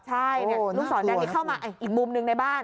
ใช่ลูกศรแดงนี้เข้ามาอีกมุมหนึ่งในบ้าน